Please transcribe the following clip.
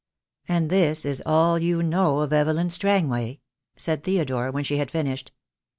"And this is all you know of Evelyn Strangway?" said Theodore, when she had finished.